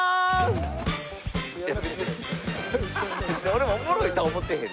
俺もおもろいとは思ってへん。